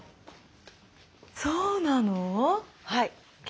そうなの？